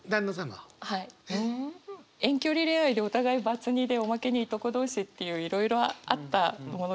遠距離恋愛でお互いバツ２でおまけにいとこ同士っていういろいろあったものですから。